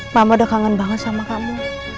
mama udah kangen banget sama kamu